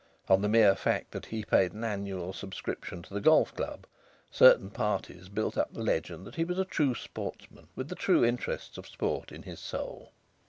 On the mere fact that he paid an annual subscription to the golf club, certain parties built up the legend that he was a true sportsman, with the true interests of sport in his soul.